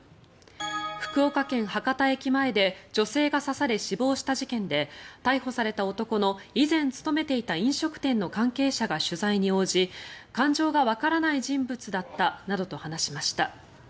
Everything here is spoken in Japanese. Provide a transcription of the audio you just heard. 福岡県・博多駅前で女性が刺され死亡した事件で逮捕された男の以前勤めていた飲食店の関係者が取材に応じ感情がわからない人物だったなどと話しました。